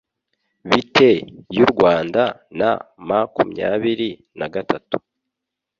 Bite by'u Rwanda na Mmakumyabiri na gatatu?